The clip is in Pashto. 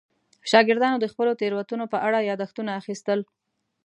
شاګردانو د خپلو تېروتنو په اړه یادښتونه اخیستل.